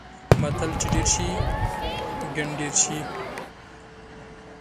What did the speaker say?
متل: چې ډېر شي؛ ګنډېر شي.